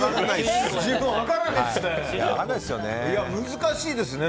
難しいですね。